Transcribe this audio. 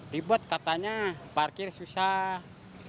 ribet katanya parkir susah